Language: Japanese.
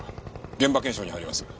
現場検証に入ります。